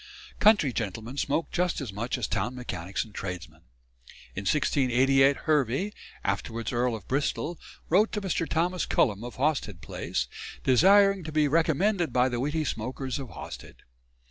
Country gentlemen smoked just as much as town mechanics and tradesmen. In 1688 Hervey, afterwards Earl of Bristol, wrote to Mr. Thomas Cullum, of Hawsted Place, desiring "to be remembered by the witty smoakers of Hawsted."